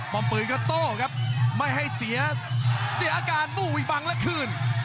ป้อมปืนก็โต๊ะครับไม่ให้เสียเสียอาการบู้อีกบางละคืน